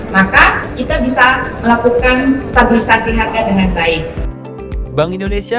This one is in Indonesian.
maka kita bisa melakukan stabilisasi harga dengan baik bank indonesia